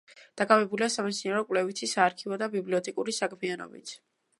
დაკავებულია სამეცნიერო-კვლევითი, საარქივო და ბიბლიოთეკური საქმიანობით.